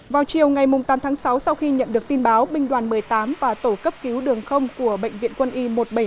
vào chiều ngày tám tháng sáu sau khi nhận được tin báo binh đoàn một mươi tám và tổ cấp cứu đường không của bệnh viện quân y một trăm bảy mươi chín